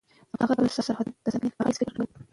هغه د خپلو سرحدونو د ساتنې په اړه هیڅ فکر نه کاوه.